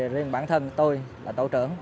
riêng bản thân tôi là tổ trưởng